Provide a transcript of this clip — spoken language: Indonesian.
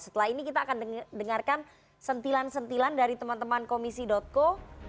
setelah ini kita akan dengarkan sentilan sentilan dari teman teman komisi co